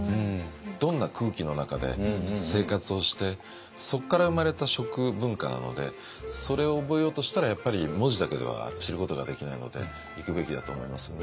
どんな空気の中で生活をしてそこから生まれた食文化なのでそれを覚えようとしたらやっぱり文字だけでは知ることができないので行くべきだと思いますね。